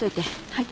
はい。